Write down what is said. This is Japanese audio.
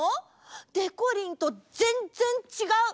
でこりんとぜんぜんちがう！